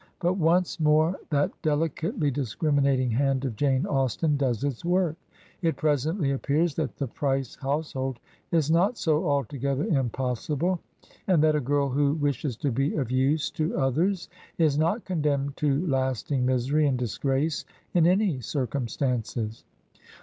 But once more that deUcately discriminating hand of Jane Austen does its work ; it presently appears that the Price house hold is not so altogether impossible, and that a girl who wishes to be of use to others is not condemned to lasting misery and disgrace in any circumstances.